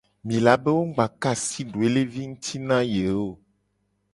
Mi la be wo mu gba ka asi doelevi nguti na ye o.